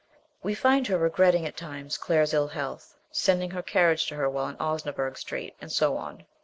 We find her regretting at times Claire's ill health, sending her carriage to her while in Osnaburgh Street, and so on.